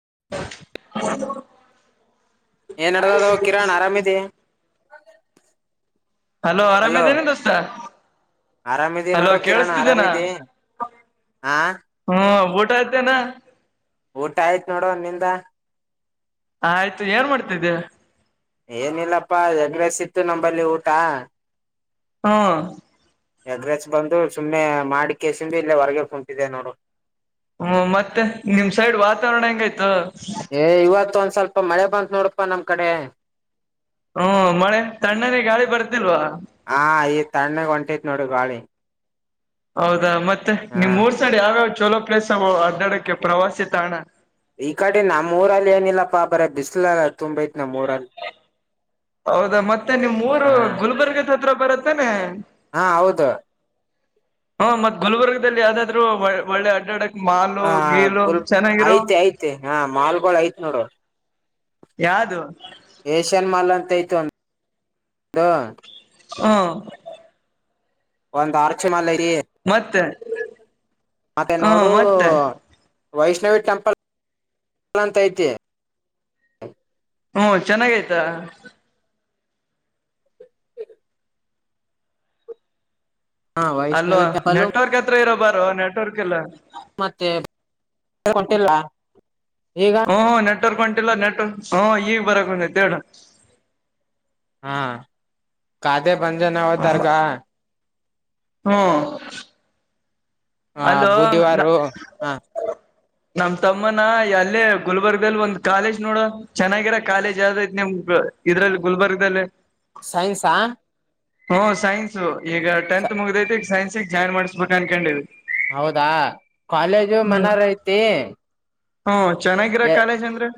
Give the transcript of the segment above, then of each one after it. [inaudible] ಏನ ನಡದದೊ ಕಿರಣ ಆರಾಮ್ ಇದ್ದಿ. ಹಲೋ ಆರಾಮ ಇದೀನಿ ದೋಸ್ತ. ಆರಾಮಿದಿ ಹಲೋ ನೋಡೋ ಕಿರಣ್ ಕೇಳಸ್ತಿದ್ದೇನಾ ಆರಾಮಿದಿ ಹಾ ಹ್ಮ ಉ [unintelligible] ಊಟ ಆಯ್ತ ನೋಡು ನಿಂದ ಹ ಆಯ್ತು ಏನ್ ಮಾಡ್ತಿದ್ದೆ. ಏನಿಲ್ಲಪ್ಪಾ ಎಗ್ರಸ್ ಇತ್ತು ನಂಬಲ್ಲಿ ಊಟ. ಹಾ ಎಗ್ರೆರ್ ಬಂದು ಸುಮ್ನೆ ಮಾಡಿಕೆಸಿಂದು ಇಲ್ಲೇ ಹೊರಗೆ ಕುಂತಿದ್ದೆ ನೋಡು. ಹ್ಮ ಮತ್ತೆ ನಿಮ್ ಸೈಡ್ ವಾತಾವರಣ ಹೆಂಗಾಯ್ತು. ಏ ಇವತ್ ಒಂದ್ ಸ್ವಲ್ಪ ಮಳೆ ಬಂತ್ ನೋಡಪ್ಪಾ ನಮ್ ಕಡೆ. ಹ್ಮ ಮಳೆ ತಣ್ಣನೇ ಗಾಳಿ ಬರ್ತಿಲ್ವಾ. ತಣ್ಣಾಗ ಹೊಂಟೈತ್ ನೋಡು ಗಾಳಿ. ಹೌದಾ ಮತ್ತೆ ಹಾ ನಿಮ್ ಮೂರ್ ಸೈಡ್ ಯಾವ್ಯಾವ ಚೋಲೋ ಪ್ಲೇಸ್ ಹಡ್ಡಾಡಕ್ಕೆ ಪ್ರವಾಸಿ ತಾಣ. ಈ ಕಡೆ ನಮ್ಮ್ ಊರಲ್ಲಿ ಏನಿಲ್ಲಪ್ಪಾ ಬರ ಬಿಸ್ಲ ತುಂಬ ಇತಿ. ಹೌದಾ ಮತ್ತೆ ನಿಮ್ಮುರು ಹಾ ಗುಲ್ಬರ್ಗದ ಹತ್ರ ಬರತ್ತನೆ. ಹಾ ಹೌದು ಹಾ ಮತ್ ಗುಲ್ಬರ್ಗದಲ್ಲಿ ಯಾವ್ದಾದ್ರು ಒ ಒಳ್ಳೆ ಅಡ್ಡಾಡ ಹ ಗುಲ್ ಆಯ್ತ್ ಯ್ತೆ ಹ ಮಾಲ್ಗಳು ಐತ್ ನೋಡು. ಯಾದು [unintelligible] ಹಾ ಹಾ ಒಂದ್ ಆರ್ಚೆಮಾಲ ಐ ತಿ ಮತ್ತೆ [unintelligible] ಮತ್ತೆ ಹ್ಮ ನೋಡು. ಮತ್ತೆ ವೈಷ್ಣವಿ ಟೆಂಪಲ್ಲ್ ಅಂತೈತಿ. ಹ್ಮ ಚೆನ್ನಾಗ ಆಯ್ತಾ. ಹ ಹಲ್ಲೋ ವೈಷ್ಣವಿ ಟೆಂಪಲ್ ನೆಟ್ವರ್ಕ್ ಹತ್ರ ಇರೋ ಬಾರ ನೆಟ್ವರ್ಕ್ ಇಲ್ಲ [inaudible] ಒಂಟಿಲ್ಲ ಹ್ಮ್ ನೆಟ್ವರ್ಕ್ ಹೊಂಟಿಲ್ಲ ನೆಟ್, ಹ್ಮ ಈಗ್ ಬರಕ್ ಒಂಟೈತೆ ಹೇಳ ಹಾ ಕಾದೆ ಬಂದೆ ನಾವು ದರ್ಗ ಹ್ಮು ಆ ಹಲೋ ನ ಬುಧವಾರು ಹ ನಮ್ ತಮ್ಮನ್ನ ಅಲ್ಲೇ ಗುಲ್ಬರ್ಗ್ದಲ್ ಒಂದ್ ಕಾಲೇಜ್ ನೋಡು ಚೆನ್ನಾಗಿರೊ ಕಾಲೇಜ್ ಯಾವ್ದರ ಐತೇನ್ ಇದ್ರಲ್ ಗುಲ್ಬರ್ಗ್ದಲ್ಲಿ ಸೈನ್ಸಾ? ಹ್ಮು ಸೈನ್ಸ್ ಈಗ ಟೆಂತ್ ಮುಗ್ದೈತಿ ಈಗ್ ಸೈನ್ಸಿಗ್ ಜಾಯ್ನ್ ಮಾಡ್ಸ್ಬೇಕ್ ಅನ್ಕನ್ಡಿವ್ ಹೌದಾ ಕಾಲೇಜು ಮನಾರ್ ಐತಿ ಹು ಚೆನ್ನಾಗಿರೊ ಕಾಲೇಜ್ ಅಂದ್ರೆ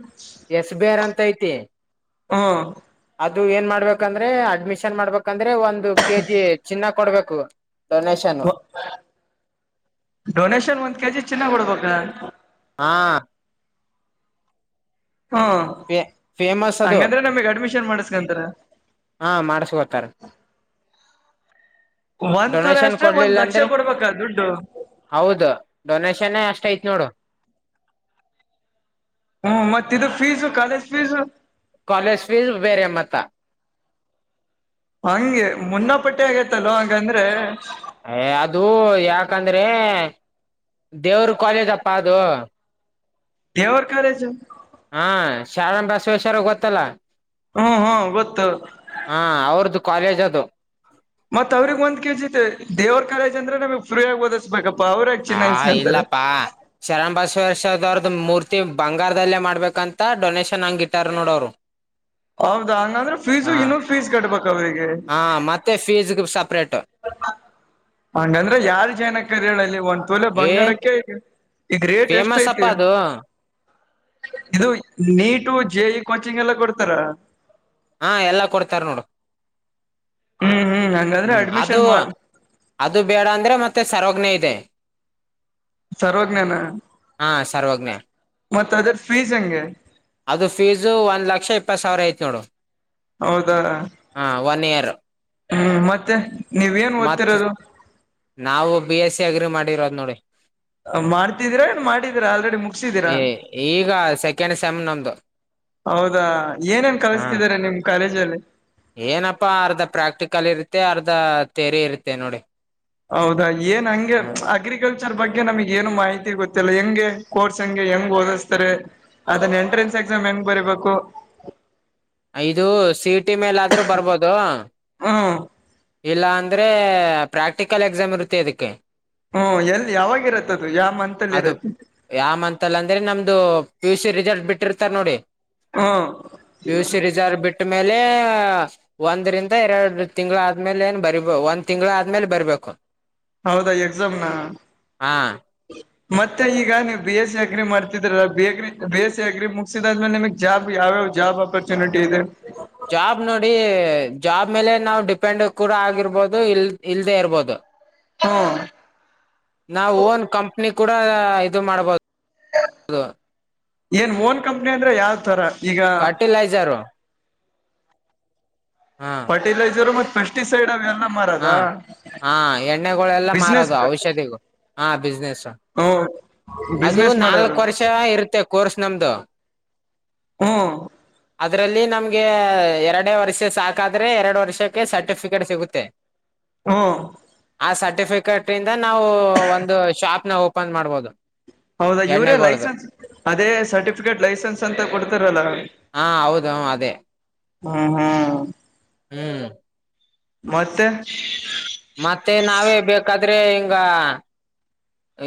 ಎಸ್ ಬಿ ಆರ್ ಅಂತ ಐತಿ ಹು ಅದು ಏನ್ ಮಾಡ್ಬೇಕಂದ್ರೆ ಅಡ್ಮಿಷನ್ ಮಾಡ್ಬೇಕಂದ್ರೆ ಒಂದು ಕೆಜಿ ಚಿನ್ನ ಕೊಡ್ಬೇಕು ಡೊನೇಷನ್ನು ಡೊನೇಶನ್ ಒಂದ್ ಕೆಜಿ ಚಿನ್ನ ಕೊಡ್ಬೇಕ? ಹಾ ಹು, ಫೇಮಸ್ ಅದು ಹಂಗಾದ್ರೆ ನಮಿಗ್ ಅಡ್ಮಿಷನ್ ಮಾಡಸ್ಕಂತರ ಹಾ ಮಾಡ್ಸ್ಕೋತಾರ ಒಂದ್ ತೊರೆ ಡೊನೇಷನ್ ಅಷ್ಟೆ ಒಂದ್ ಕೊಡ್ಲಿಲ್ಲ ಲಕ್ಷ ಅಂದ್ರೆ ಕೊಡ್ಬೇಕಾ ದುಡ್ಡು ಹೌದು ಡೊನೇಷನ್ನೇ ಅಷ್ಟ್ ಐತ್ ನೋಡು ಹ್ಮ ಮತ್ ಇದು fees college fees college fees ಬೇರೆ ಮತ್ತ ಹಂಗೆ ಮುನ್ನ ಪಟ್ಟೆ ಆಗೈತಲ್ಲೊ ಹಾಗಂದ್ರೆ ಎ ಅದು ಯಾಕಂದ್ರೆ ದೇವ್ರು ಕಾಲೇಜಪ್ಪ ಅದು ದೇವ್ರ್ ಕಾಲೇಜು ಹಾ ಶಾರಣ್ ಬಸ್ವೇಶ್ವರ ಗೊತ್ತಲ್ಲಾ ಹು ಹು ಗೊತ್ತು ಕಾಲೇಜದು ಮತ್ ಅವ್ರಿಗ್ ಒಂದ್ ಕೆಜಿದ ದೇವ್ರ ಕಾಲೇಜ್ ಅಂದ್ರೆನೆ ನಮ್ಗ್ ಫ್ರೀಯಾಗ್ ಓದಿಸ್ಬೇಕ್ ಹಾ ಇಲ್ಲಪ್ಪಾ, ಶರಣ್ ಬಸ್ವೆಶ್ವರ್ದು ಮೂರ್ತಿವ್ ಬಂಗಾರ್ದಲ್ಲೇ ಮಾಡ್ಬೇಕಂತ ಡೊನೇಶನ್ ಹಂಗ್ ಇಟ್ಟಾರ್ ನೋಡ್ ಅವ್ರು ಹೌದಾ ಹಂಗಾದ್ರೆ ಫೀಸು ಇನ್ನುೂ ಫೀಸ್ ಕಟ್ಬೇಕ ಅವ್ರಿಗೆ ಹ ಮತ್ತೆ ಫೀಸ್ ಸಪ್ರೇಟ್ ಹಂಗಂದ್ರೆ ಯಾರು ಜಾಯ್ನ್ [unintelligible] ತೊಲೆ ಏ ಬಂಗಾರಕ್ಕೆ ಈಗ, ಈಗ್ ರೇಟ್ ಎಷ್ಟ್ ಫೇಮಸ್ ಅಪ್ಪ ಐತಿ ಅದು ಇದು ನೀಟು ಜೆ ಇ ಕೋಚಿಂಗ್ ಎಲ್ಲ ಕೊಡ್ತಾರ ಹಾ ಎಲ್ಲಾ ಕೊಡ್ತಾರ್ ನೋಡು ಹ್ಮ್ ಹ್ಮ್ ಹಂಗಂದ್ರೆ ಹ್ಮ್ ಅದು ಅಡ್ಮಿಷನ್ ಮಾಡ ಅದು ಬೇಡ ಅಂದ್ರೆ ಮತ್ತೆ ಸರ್ವಜ್ಞ ಇದೆ ಸರ್ವಜ್ಞನ ಹಾ ಸರ್ವಜ್ಞ ಮತ್ ಅದು ಫೀಸ್ ಹೆಂಗೆ ಅದು ಫೀಸು ಒಂದ್ ಲಕ್ಷ ಇಪ್ಪತ್ ಸಾವ್ರ ಐತ್ ನೋಡು ಹೌದಾ ಹಾ ಒನ್ ಇಯರ್ ಹ್ಮ್ ಮತ್ತೆ ನೀವೇನ್ ಮತ್, ಓದ್ತಿರೋದು ನಾವು ಬಿ ಎಸ್ ಸಿ ಅಗ್ರಿ ಮಾಡಿರೋದ್ ನೋಡು ಮಾಡ್ತಿದ್ದೀರಾ ಇನ್ ಮಾಡಿದೀರಾ ಆಲ್ರೆಡಿ ಮುಗ್ಸಿದ್ದೀರಾ ಈಗ ಸೆಕೆಂಡ್ ಸೆಮ್ ನಮ್ದು ಹೌದಾ ಏನೇನ್ ಹ ಕಲ್ಸ್ತಿದಾರೆ ನಿಮ್ ಕಾಲೇಜಲ್ಲಿ ಏನಪ್ಪಾ ಅರ್ಧ ಪ್ರಾಕ್ಟಿಕಲ್ ಇರುತ್ತೆ, ಅರ್ಧ ತಿಯರಿ ಇರುತ್ತೆ ನೋಡಿ ಹೌದಾ ಏನ್ ಹಂಗೆ ಹ ಅಗ್ರಿಕಲ್ಚರ್ ಬಗ್ಗೆ ನಮಿಗ್ ಏನು ಮಾಹಿತಿ ತಿಲ್ಲ, ಹೆಂಗೆ ಕೋರ್ಸ್ ಹೆಂಗೆ ಹೆಂಗ್ ಓದಸ್ತರೆ? ಅದನ್ನ ಎಂಟ್ರೆನ್ಸ್ ಎಕ್ಸಾಮ್ ಹೆಂಗ್ ಬರಿೀಬೇಕು ಇದು ಸಿಟಿ ಮೇಲಾದ್ರೂ ಬರ್ಬೋದು ಹ್ಮ್ ಇಲ್ಲ ಅಂದ್ರೆ ಪ್ರಾಕ್ಟಿಕಲ್ ಎಕ್ಸಾಮ್ ಇರುತ್ತೆ ಅದಕ್ಕೆ ಹ್ಮ್ ಎಲ್ಲಿ ಯಾವಾಗ ಇರತ್ತದು ಯಾವ ಮಂತ್ ಅಲ್ಲಿ ಅದು ಇರತ್ತೆ ಯಾಮಂತಲ್ಲ ಅಂದ್ರೆ ನಮ್ದು ಯು ಸಿ ರಿಸಲ್ಟ್ ಬಿಟ್ಟಿರ್ತರ್ ನೋಡಿ ಹೂ ಪಿ ಯು ಸಿ ರಿಸಲ್ಟ್ ಬಿಟ್ಟ ಮೇಲೆ ಒಂದರಿಂದ ಎರಡು ತಿಂಗಳು ಆದ್ಮೇಲೆ ಏನ್ ಬರಿ ಒಂದ್ ತಿಂಗಳು ಆದ್ಮೇಲೆ ಬರ್ಬೇಕು ಹೌದಾ ಎಕ್ಸಾಮ್ ನ ಹಾ ಮತ್ತೆ ಈಗ ನೀವು ಬಿ ಎಸ್ ಸಿ ಅಗ್ರಿ ಮಾಡ್ತಿದ್ರ B agri B S C agri ಮುಗಸಿದಾದ್ಮೇಲೆ ನಿಮ್ಗ್ ಜಾಬ್ ಯಾವ್ಯಾವ ಜಾಬ್ ಅಪರ್ಚುನಿಟಿ ಇದೆ ಜಾಬ್ ನೋಡಿ ಜಾಬ್ ಮೇಲೆ ನಾವು ಡಿಪೆಂಡ್ ಕೂಡ ಆಗಿರ್ಬೋದು ಇಲ್ ಇಲ್ದೇ ಇರ್ಬೋದು ಹೂ ನಾವು ಓನ್ ಕಂಪ್ನಿ ಕೂಡ ಇದು ಮಾಡ್ಬೋದುದು ಏನ್ ಓನ್ ಕಂಪ್ನಿ ಅಂದ್ರೆ ಯಾವ್ ತರ ಈಗ ಫರ್ಟಲೈಜರ್ ಫರ್ಟಿಲೈಸರ್ ಮತ್ ಪೆಸ್ಟಿಸೈಡ್ ಅವೆಲ್ಲ ಮಾರದ ಹಾ ಹಾ ಎಣ್ಣೆಗಳೆಲ್ಲ ಬಿಸ್ನೆಸ್ ಮಾರೋದು ಔಷಧಿಗೂ ಹಾ ಬಿಸ್ನೆಸ್ ಹ್ಮ ಅದು ಬಿಸ್ನೆಸ್ ಮಾಡೋದು ನಾಲ್ಕ್ು ವರ್ಷ ಇರುತ್ತೆ ಕೋರ್ಸ್ ನಮ್ದು ಹೂ ಅದರಲ್ಲಿ ನಮ್ಗೆ ಎರಡೇ ವರ್ಷ ಸಾಕಾದ್ರೆ ಎರಡು ವರ್ಷಕ್ಕೆ ಸರ್ಟಿಫಿಕೇಟ್ ಸಿಗುತ್ತೆ ಹೂ ಆ ಸರ್ಟಿಫಿಕೇಟ್ ಇಂದ ನಾವು ಒಂದು ಶಾಪ್ ನ ಓಪನ್ ಮಾಡ್ಬಹದು ಹೌದಾ ಇವರೇ ಲೈಸೆನ್ಸ್ ಅದೇ ಸರ್ಟಿಫಿಕೇಟ್ ಲೈಸೆನ್ಸ್ ಅಂತ ಕೊಡ್ತಾರಲ್ಲ ಹೌದ ಅದೇ ಹೂ ಹೂ ಹೂ ಮತ್ತೆ ಮತ್ತೆ ನಾವೇ ಬೇಕಾದ್ರೆ ಹಿಂಗ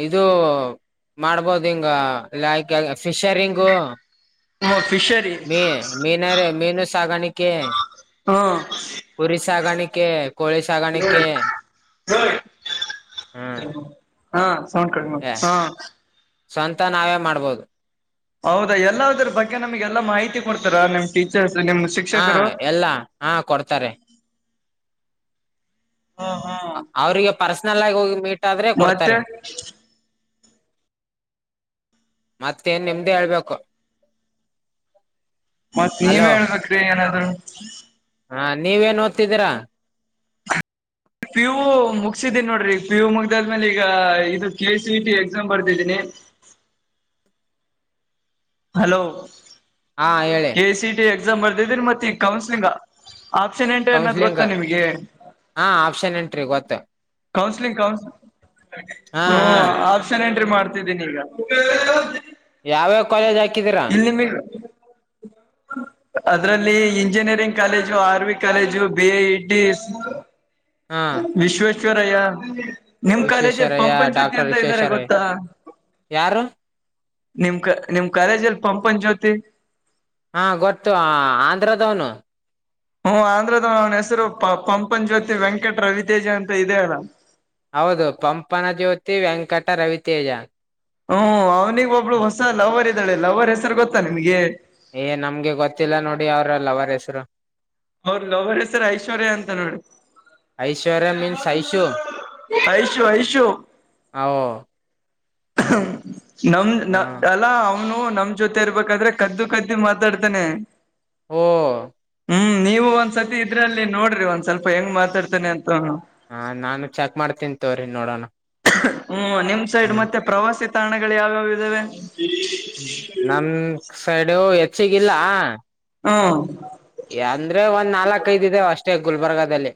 ಇದು ಮಾಡ್ಬೋದು ಹಿಂಗ ಫಿಶರಿಂಗು ಫಿಶರಿ ಮ ಮೀನರೆ ಮೀನು ಸಾಗಾಣಕ್ಕೆ ಹೂ ಕೆ ಕೋಳಿ ಸಾಗಾಣಕ್ಕೆ ಹೂ ಹಾ ಸೌಂಡ್ ಕಡಿಮೆ ಮಾಡು ಹ ಸ್ವಂತ ನಾವೇ ಮಾಡ್ಬೋದು ಹೌದಾ ಎಲ್ಲದ್ರ ಬಗ್ಗೆ ನಮ್ಗೆ ಎಲ್ಲಾ ಮಾಹಿತಿ ಕೊಡ್ತಾರಾ ನಿಮ್ ಟೀಚರ್ ಹಾ ಎಲ್ಲ ಹಾ ಕೊಡ್ತಾರೆ ಹಾ ಹಾ ಅವ್ರಿಗೆ ಪರ್ಸನಲ್ ಆಗಿ ಹೋಗಿ ಮೀಟ್ ಮತ್ತೆ ಹ ಮತ್ತೇನ್ ನಿಮ್ದೇ ಹೇಳ್ಬೇಕು ಮತ್ ನೀವೇ ಹಲೋ ಹೇಳ್ಬೇಕ್ರಿ ಏನಾದ್ರು ಹಾ ನೀವೇಏನ್ ಓದ್ತಿದ್ದೀರಾ ಪಿ ಯು ಮುಗಸಿದ್ದೀನಿ ನೋಡ್ರಿ ಈಗ ಪಿ ಯು ಮುಗ್ದಾದ್ಮೇಲೆ ಈಗ ಇದು ಕೆ ಸಿ ಟಿ ಎಕ್ಸಾಮ್ ಬರ್ತಿದ್ದೀನಿ ಹ ಹಲೋ ಹಾ ಹೇಳಿ ಕೆ ಸಿ ಟಿ ಎಕ್ಸಾಮ್ ಬರ್ದಿದೀರಿ ಮತ್ತೆ ಈ ಕೌನ್ಸಲಿಂಗ್ ಆಪ್ಷನ್ ಎಂಟ್ರಿ ಅನ್ನೋದು ಕೌನ್ಸಿಲಿಂಗ್ ಗೊತ್ತಾ ನಿಮ್ಗೆ ಹಾ ಆಪ್ಷನ್ ಎಂಟ್ರಿ ಗೊತ್ತ ಕೌನ್ಸಿಲಿಂಗ್ ಕೌನ್ ಹಾ ಹು ಹಾ ಆಪ್ಷನ್ ಮಾಡ್ತಿದ್ದೀನಿ ಈಗ [unintelligible] ಯಾವ್ಯಾವ ಕಾಲೇಜ್ ಹಾಕಿ ಇಲ್ಲ ನಿಮಗ ಅದ್ರಲ್ಲಿ ಇಂಜಿನಿಯರಿಂಗ್ ಕಾಲೇಜು ಅರ್ವಿ ಕಾಲೇಜು ಬಿ ಎ ಇಂಡಿಸ್ ಹಾ ವಿಶ್ವೇಶ್ವರಯ್ಯ ನಿಮ್ ಕಾಲೇಜಲ್ಲಿ ವಿಶ್ವೇಶ್ವರಯ್ಯ ಪಂಪನ್ ಜ್ಯೋತಿ ಡಾಕ್ಟರ್ ಅಂತ ಇದ್ದಾರೆ ವಿಶ್ವೇಶ್ವರಯ್ಯ ಗೊತ್ತಾ ಯಾರು ನಿಮ್ ಕ ನಿಮ್ ಕಾಲೇಜ ಲ್ಲಿ ಪಂಪನ್ ಜ್ಯೋತಿ ಹಾ ಗೊತ್ತು ಆಂಧ್ರದವನು ಹ್ಮ ಆಂಧ್ರದ ಅವನ ಹೆಸರು ಪ ಪಂಪನ್ ಜ್ಯೋತಿ ವೆಂಕಟ ರವಿತೇಜ ಅಂತ ಇದೇ ಅಲ್ಲ. ಹೌದು ಪಂಪನ ಜ್ಯೋತಿ ವೆಂಕಟ ರವಿತೇಜ ಹ್ಮ ಅವ್ನಿಗೆ ಒಬ್ಳು ಹೊಸ ಲವರ್ ಇದ್ದಾಳೆ ಲವರ್ ಹೆಸರು ಗೊತ್ತಾ ನಿಮ್ಗೆ. ಏ ನಮ್ಗೆ ಗೊತ್ತಿಲ್ಲ ನೋಡಿ ಅವರ ಲವರ್ ಹೆಸರು ಅವ್ರ ಲವರ್ ಹೆಸರ್ ಐಶ್ವರ್ಯಾ ಅಂತ ನೋಡಿ ಐಶ್ವರ್ಯ ಮೀನ್ಸ್ ಐಶು ಐಶು ಐಶು ಓ ನಮ್ದ್ ಹ ನಮ್ ಅಲ್ಲ ಇವನು ನಮ್ ಜೊತೆ ಇರ್ಬೇಕಾದ್ರೆ ಕದ್ದು ಕದ್ದಿ ಮಾತಾಡ್ತಾನೆ ಹ್ಮ್ ಹ್ಮ್ ನೀವು ಒಂದ್ಸರ್ತಿ ಇದ್ರಲ್ಲಿ ನೋಡ್ರಿ ಒಂದ ಸ್ವಲ್ಪ ಹೆಂಗ್ ಮಾತಾಡ್ತನೆ ಅಂತ ಅವ್ನು ಹ ನಾನು ಚೆಕ್ ಮಾಡ್ತನ್ ತೋರಿ ನೋಡೋಣ ಹ್ಮ ನಿಮ್ ಸೈಡ್ ಹ್ಮ್ ಮತ್ತೆ ಪ್ರವಾಸಿ ತಾಣಗಳು ಯಾವ್ಯಾವ ಇದ್ದಾವೆ. ನಮ ಸೈಡು ಹೆಚ್ಚಗಿಲ್ಲ. ಹಾ ಯಂದ್ರೆ ಒಂದ್ ನಾಲ್ಕ್ ಐದ ಇದಾವ ಅಷ್ಟೇ ಗುಲ್ಬರ್ಗದಲ್ಲಿ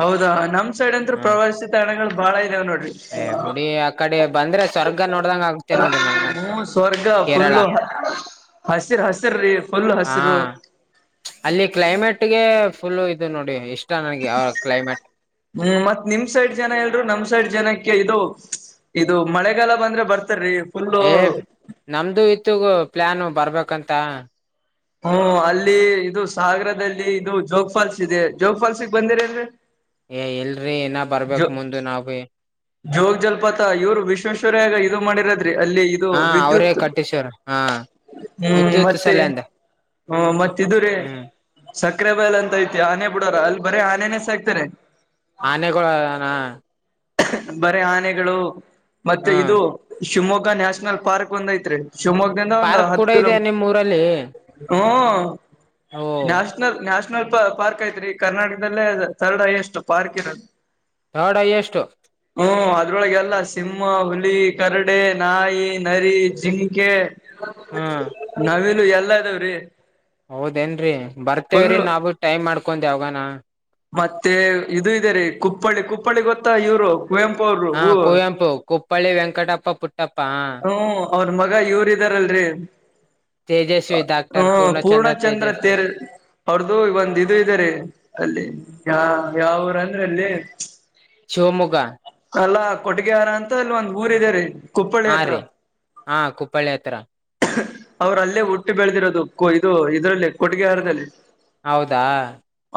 ಹೌದಾ ನಮ್ ಸೈಡ್ ಅಂತರು ಹ್ಮ್ ಪ್ರವಾಸಿ ತಾಣಗಳು ಬಾಳ ಇದಾವ ನೋಡಿ ಏ ಬಿಡಿ ಆ ಕಡೆ ಬಂದ್ರೆ ಸ್ವರ್ಗ ನೋಡ್ದಂಗ ಆಗ್ತೆೇ ನೋಡಿ ನನ್ಂಗಂತರು ಹ್ಮ ಕೇರಳ ಹಸಿರು ಹಸಿರ ರೀ ಫುಲ್ ಹಸಿರು ಹಾ ಅಲ್ಲಿ ಕ್ಲೈಮೇಟ್ಗೆ ಫುಲ್ ಇದು ನೋಡಿ ಎಷ್ಟು ಹ್ಮ್ ಮತ್ತ್ ನಿಮ್ ಸೈಡ್ ಜನ ಎಲ್ರು ನಮ್ ಸೈಡ್ ಜನ ಇದು ಇದು ಮಳೆಗಾಲ ಬಂದ್ರೆ ಬರ್ತ ಏ ನಮ್ದು ಇತ್ತುಗ ಪ್ಲಾನ ಬರ್ಬೇಕಂತ ಹ್ಮ ಅಲ್ಲಿ ಇದು ಸಾಗರದಲ್ಲಿ ಇದು ಜೋಗ್ ಫಾಲ್ಸ್ ಇದೆ ಜೋಗ್ ಫಾಲ್ಸ್ಗೆ ಬಂದಿರಿ ಅಲ್ರಿ ಏ ಎಲ್ರಿ ಏನ ಬರ್ಬೇಕ್ ಮುಂದ ನಾವೀ ಜೋಗ ಜಲಪಾತ ಇವ್ರು ವಿಶ್ವೇಶ್ವರ್ಯಾಗ ಇದು ಮಾಡಿರದ್ರಿ ಅಲ್ಲಿ ಇದು ವಿದ್ಯುತ್ ವರ ಹಾ ಹ್ಮ್ ವಿದ್ಯುತ್ ಮತ್ತೆ ಸಲ್ಯ ಅಂದ ಹ್ಮ ಮತ್ತ ಇದು ರೀ ಸಕ್ಕರೆ ಬಯಲ್ ಅಂತ ಐತಿ ಆನೆ ಬಿಡೋರ ಅಲ್ಲಿ ಬರೆ ಆನೆನೆ ಸಾಕ್ತಾರೆ. ಆನೆಗುಳ ಹಾ ಹಹ್ಹ ಬರೆ ಆನೆಗಳು ಮತ್ತೆ ಹ್ಮ್ ಇದು ಶಿವಮೊಗ್ಗ ನ್ಯಾಷ್ನಲ್ ಪಾರ್ಕ್ ಒಂದೈತ್ರಿ ಶಿವಮೊಗ್ ದಿಂದ ಒಂದು ಪಾರ್ಕ್ ಹತ್ ಕೂಡ ಇದೆ ಕಿಲೋಮೀಟರ್ ನಿಮ್ ಊರಲ್ಲಿ ಹೂ ಓ ನ್ಯಾಷನಲ್ ನ್ಯಾಷ್ ನಲ್ ಪಾರ್ಕ್ ಐತ್ರಿ ಕರ್ನಾಟ್ಕದಲ್ಲೇ ದು ಥರ್ಡ್ ಹೈಯಷ್ಟು ಪಾರ್ಕ್ ಇರೋದು ಥರ್ಡ್ ಹೈಯಷ್ಟು. ಹೂ ಅದ್ರೊಳಗೆ ಎಲ್ಲ ಸಿಂಹ ಹುಲಿ ಕರಡೆ ನಾಯಿ ನರಿ ಜಿಂಕೆ ಹ್ಮ್ ನವಿಲು ಎಲ್ಲಾ ಇದಾವ್ರಿ ಹೌದೇನ್ರೀ ಫುಲ್ ಬರ್ತೇವ್ರೀ ನಾವು ಟೈಮ್ ಮಾಡ್ಕೊಂದ್ ಯಾವ್ಗನ ಮತ್ತೆ ಇದು ಇದೆ ರೀ ಕುಪ್ಪಳ್ಳಿ ಕುಪ್ಪಳ್ಳಿ ಗೊತ್ತಾ ಇವ್ರು ಕುವೆಂಪು ಹಾ ಅವರು -ಕುವೆಂಪು ಕುಪ್ಪಳ್ಳಿ ವೆಂಕಟಪ್ಪ ಪುಟ್ ಹೂ- ಅವ್ರ್ ಮಗ ಇವ್ರ್ ಇದ್ದಾರಲ್ರಿ. ತೇಜಸ್ವಿ- ತ ಹೂ- ಪೂರ್ಣ ಚಂದ್ರ ತೆರ್ ಅವ್ರ್ದು ಒಂದಿದು ಇದೆ ರೀ ಅಲ್ಲಿ -ಹಾ ಯಾವುರ್ ಅಂದ್ರಲ್ಲಿ ಮ್ಚ್ಯಾ ಶಿವಮೊಗ್ಗ ಅಲ್ಲಾ ಕೊಟ್ಗೆಹಾರ ಅಂತ ಅಲ್ ಒಂದ್ ಊರ ಇದೆ -ರೀ -ಕುಪ್ಪಳಿ ಅತ್. ತ್ರಿ -ಹಾ- ಕುಪ್ಪಳಿ ಹತ್ರ. ಅವ್ರ್ ಅಲ್ಲೇ ಹುಟ್ಟಿ ಬೆಳ್ದಿರದು- ಕು -ಇದು ಇದ್ರಲ್ಲಿ ಕೊಟ್ಗೆಹಾರ್ದಲ್ಲಿ. ಹೌದಾ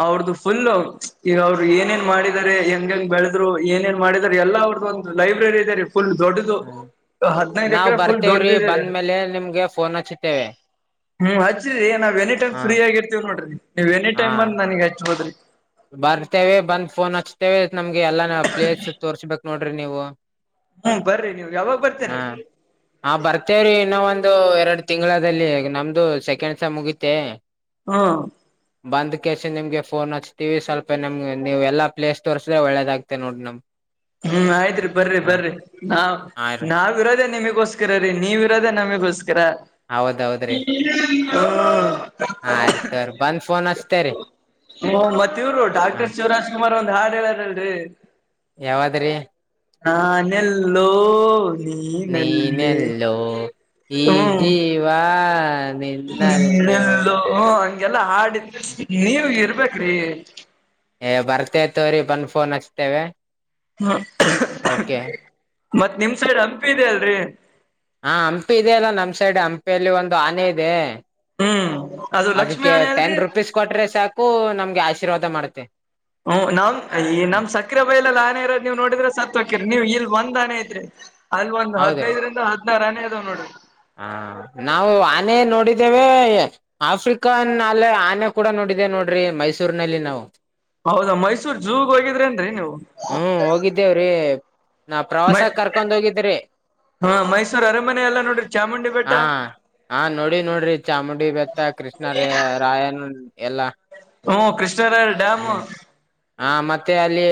ಅವ್ರ್ದು ಫುಲ್ ಮ್ಚ್ಯಾ ಈಗ ಅವ್ರ್ ಏನೇನ್ ಮಾಡಿದ್ದಾರೆ ಹೆಂಗೆಂಗ್ ಬೆಳೆದ್ರು ಏನೇನ್ ಮಾಡಿದ್ದಾರ್ ಎಲ್ಲ ಅವ್ರ್ದು ಒಂದ್. ಲೈಬ್ರರಿ ಇದೆ- ರೀ -ಫುಲ್ ದೊಡ್ಡದು. ಹ್ಮ ಹದ್ನೈದು ನಾವ್ ಎಕರೆ ಫುಲ್ ಬರ್ತೇವ್ರಿ ದೊಡ್ಡದಿದೆ ರೀ ಬಂದ್ಮೇಲೆ ನಿಮ್ಗೆ ಫೋನ್ ಹಚ್ಚಿತೇವೆ. ಹ್ಮ್ -ಹಚ್ಚ್ರರಿ ನಾವ್ ಎನಿ ಟೈಮ್- ಫ್ರೀ ಆಗಿರ್ತೀವ್ ನೋಡ್ರಿ ನೀವ್ ಎನಿ ಹಾ ಟೈಮ್ ಬಂದ್ ನನಗ್ ಹಚ್ಬೋದ್ರಿ ಬರ್ತೇವೆ ಬಂದ್ ಫೋನ್ ಹಚ್ತೇವೆ ನಮ್ಗೆ ಎಲ್ಲಾನ ಪ್ಲೇಸ್ ತೋರ್ಸ್ಬೇಕ್ ನೋಡ್ರಿ ನೀವು. ಹ್ಮ್ ಬರ್ರಿ ನೀವ್ ಯಾವಾಗ ಹಾ ಬರ್ತೀರಿ -ಹ -ಬರ್ತೇವ್ರೀ ಇನ್ನ ಒಂದ್. ದು- ಎರಡು ತಿಂಗ್ಳಾದಲ್ಲಿ ನಮ್ದು ಸೆಕೆಂಡ್ಸಮ್ ಮುಗಿತೆ. ಹಾ ಕೇಶನ್ ನಿಮ್ಗೆ ಫೋನ್ ಹಚ್ತೀವಿ ಸ್ವಲ್ಪ ನಮ್ಗೆ ನೀವು ಎಲ್ಲಾ ಪ್ಲೇಸ್ ತೋಸ್ರೆ ಒಳ್ಳದಗ್ತೇ ನೋಡ್ರಿ ನಮ್, ಹ್ಮ್- ಆಯ್ತ್ ರೀ- ಬರ್ರಿ ಹಾ ಬರ್ರಿ- ನಾ ಹಾ ರೀ -ನಾವಿರೋದೇ ನಿಮಗ್. ಗೋಸ್ಕರ ರೀ ನೀವಿರೋದೆ ನಮಿಗೋಸ್ಕ್ ಕರ ಹೌದೌದ್ರಿ ನೀನೆಲ್ಲೋ ನಾನಲ್ಲೇ ಹಾ ರೀ ಸರ್ ಬಂದ್ ಫೋನ್ ಹಚ್ತೇರಿ ಹು- ಮತ್ತಿವ್ರು ಹಾ ಡಾಕ್ಟರ್ ಶಿವರಾಜ್ ಕುಮಾರ್ ಒಂದ್ ಹಾಡ್ ಹೇಳಾರಲ್ರಿ. ಯಾವದ್ರಿ ನಾ- ನೆಲ್ಲೋ -ನೀ -ನಲ್ಲೇ ನೀನೆಲ್ಲೋ ಈ- ಜೀವಾ ನೀನೆಲ್ಲೋ ಹಂಗೆಲ್ಲಾ ಹಾಡಿ ಮ್ಚ್ಯಾ ನೀವ್ ಇರ್ಬೇಕ್ರಿ. ಬರ್ತೆ ತೋ--ರ್ರಿ ಬಂದ್ ಫೋನ್ ಹಚ್ತೇವೆ. [unintelligible] ಓಕೆ ಮತ್ತ್ ನಿಮ್ ಸೈಡ್ ಹಂಪಿ ಇದೆ ಅಲ್ರಿ. ಹಾ- ಹಂಪಿ ಇದೆ ಅಲ್ಲ ನಮ್ ಸೈಡ್ ಹಂಪಿಯಲ್ಲಿ ಒಂದು ಆನೆ ಇದೆ. ಹ್ಮ್ ಅದು ಲಕ್ಷ್ಮೀ ಅದಕ್ಕೆ ಆನೆ ಟೆನ್ ಅಲ್ರಿ ರುಪೀಸ್ ಕೊಟ್ರೆ ಸಾಕು ನಮ್ಗೆ ಆಶೀರ್ವಾದ ಮಾಡುತ್ತೆ. ಹ್ಮ್- ನಾಮ್ ಈ ನಮ್ ಸಕ್ರೆ ಬೈಲಲ್ ಆನೆ ಇರೋದ್ ನೀವ್ ನೋಡಿದ್ರೆ ಸತ್ ಹೊಕ್ಕಿರಿ ನೀವ್ ಇಲ್ ಬಂದ್. ಒಂದ್ ಆನೆ ಐತ್ರಿ ಅಲ್ ಒಂದ್ ಹೌದ್ರೀ ಹದ್ನೈದ್ ರಿಂದ ಹದ್ನಾರ್ ಆನೆ ಅದಾವ್ ನೋಡ್ರಿ ಹ- ನಾವು ಆನೆ ನೋಡಿದ್ದೇವೆ ಆಫ್ರಿಕಾನ್ ನಲ್ಲೇ ಆನೆ ಕೂಡ ನೋಡ್. ಡಿದೆ ನೋಡ್ರಿ ಮೈಸೂರ್ನಲ್ಲಿ ನಾವು ಹೌದಾ ಮೈಸೂರ್ ಜೂಗೋಗಿದ್ರೇನ್ರಿ ನೀವು. ಹ್ಮ್- ಹೋಗಿದ್ದೇವ್ರಿ ನಾ ಪ್ರವಾಸ ಮೈ ಕರ್ಕೊಂದ್ ಹೋಗಿದ್ರಿ. ಹಾ- ಮೈಸೂರ್ ಅರಮನೆ ಎಲ್ಲ ನೋಡಿರ್ ಚಾಮುಂಡಿ ಬೆಟ್ಟ. ಹಾ ಹಾ- ನೋಡಿ ನೋಡ್ರಿ ಚಾಮುಂಡಿ ಬೆತ್ತ ಕೃಷ್ಣ ರಾಯನ ಎಲ್ಲಾ ಹ್ಮ -ಕೃಷ್ಣರಾಯ ಡ್ಯಾಂ ಹಾ -ಮತ್ತೆ ಅಲ್ಲಿ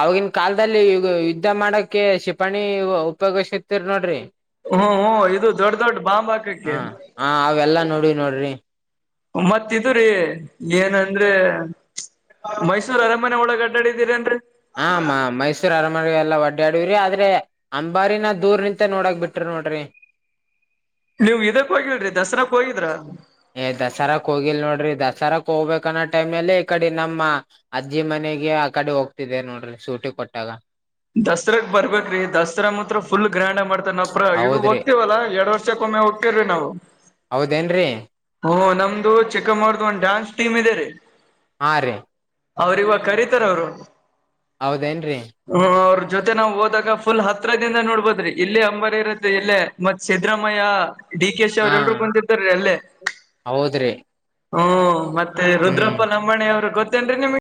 ಅವವಾಗಿನ್ ಕಾಲಲ್ದಲ್ಲಿ ಈ ಯುದ್ಧ ಮಾಡಕ್ಕೆ ಶಿಪಾಣಿ ಉಪಯೋಗಸತಿರಿ ನೋಡ್ರಿ. ಹ್ಮ - ಇದು ದೊಡ್ಡ ದೊಡ್ಡ ಬಾಂಬ್ ಹಾಕಕ್ಕೆ. ಹಾ ಹ ಅವೆಲ್ಲಾ ನೋಡಿ ನೋಡ್ರಿ ಮತ್ತಿದ್ರೀ ಏನಂದ್ರೆ. ಮೈಸೂರ್ ಅರಮನೆ ಒಳಗೆ ಅಡ್ಡಾಡಿದ್ದೀರಿ ಹ -ಮೈಸೂರು ಅರಮನೆಲ್ಲ- ಲ್ಲ- ವಡ್ಡ್ಯಾಡ್ರರಿ ಆದ್ರೆ ಅಂಬಾರಿನ ದೂರ್ ನಿಂತ ನೋಡಕ್ ಬಿಟ್ರಿ ನೋಡ್ರಿ. ನೀವ್ ಇದಕ್ ಹೋಗಿಲ್ ದಸರಾಕ್ ಹೋಗಿದ್ರ. ಏ ದಸರಾಕ್ ಹೋಗಿಲ್ ನೋಡ್ರಿ ದಸರಾಕ್ ಹೋಬೇಕನ್ ಟೈಮಲ್ಲೇ ಈ ಕಡೆ ನಮ್ಮ ಅಜ್ಜಿ ಮನೆ. ನೆಗೆ ಆ ಕಡೆ ಹೋಗ್ತಿದೆ ನೋಡ್ರಿ ಸೂಟಿ ಕೊಟ್ಟಾಗ ದಸರಾಗ ಬರ್ಬೇಕ್ರೀ ದಸರಾ ಮಾತ್ರ ಫುಲ್ ಗ್ರ್ಯಾಂಡ್. ಮಾಡ್ತನ ಅಪ್ರ ಇ ಹೌದ್ರಿ ಹೋಗ್ತೀವಲ್ಲಾ ಎರಡ್ ವರ್ಷಕ್ಕೊಮ್ಮೆ ಹೋಗ್ತಿವ್ರಿ ನಾವು. ಹೌದೇನ್ರಿ ಓ ನಮ್ದು ಚಿಕ್ಕಮ್ಮರದ ಒಂದು ಡಾನ್ಸ್ ಟೀಮ್ ಇದೆ ರೀ. ಹಾ ರೀ ಅವ್ರ ಇವಗ್ ಕರೀತಾರ ಅವ್ರು. ಹೌದೇನ್ರೀ ಹ ಅವ್ರ ಜೊತೆ ನಾವ್ ಹೋದಾಗ ಫುಲ್ ಹತ್ರದಿಂದ ನೋಡ್ಬೋದ್ರಿ ಇಲ್ಲಿ ಅಂಬರಿ ಇರತ್ತೆ ಇಲ್ಲೇ ಮತ್ ಸಿದ್ರಾಮಯ್ಯ ಡಿ ಕೆ ಶಿ ಹಾ ಅವ್ರ ಎಲ್ರು ಬಂದ್ದಿದರಿ ಅಲ್ಲೇ. ಹೌದ್ರಿ ಹ್ಮ ಮತ್ತೆ ಹ್ಮ್. ರುದ್ರಪ್ಪ ನಮ್ಮಣಿ ಅವ್ರು ಗೊತ್ತೇನ್ರಿ ನಿಮ್ಗ